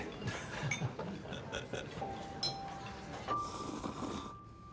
・ハハハハ。